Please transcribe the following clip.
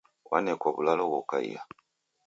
W'anekwa w'ulalo ghokaia